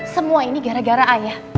semua ini gara gara ayah